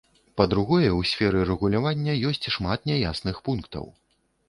Па-другое, у сферы рэгулявання ёсць шмат няясных пунктаў.